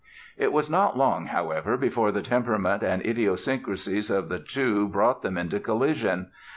It was not very long, however, before the temperaments and idiosyncrasies of the two brought them into collision.